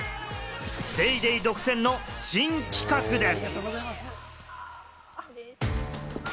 『ＤａｙＤａｙ．』独占の新企画です。